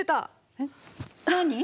えっ何？